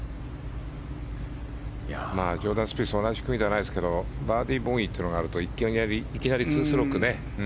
ジョーダン・スピースと同じ組じゃないですけどバーディーボギーというのがあるといきなり２ストローク。